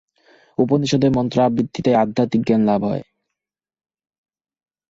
উপনিষদের মন্ত্র-আবৃত্তিতে আধ্যাত্মিক জ্ঞানলাভ হয়।